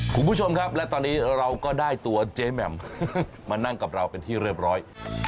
คุณผู้ชมครับและตอนนี้เราก็ได้ตัวเจ๊แหม่มมานั่งกับเราเป็นที่เรียบร้อย